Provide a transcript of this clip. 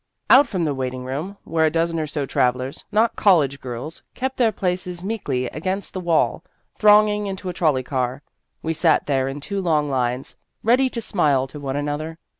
Out from the waiting room, where a dozen or so travellers not college girls kept their places meekly against the wall, thronging into a trolley car, we sat there in two long lines, ready to smile one to another.